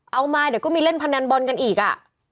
เอามาเดี๋ยวก็มีเล่นพนันบอลกันอีก